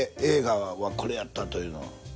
映画はこれやったというのは。